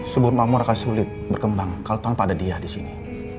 sebelum mamu raka sulit berkembang kalau tanpa ada dia di sini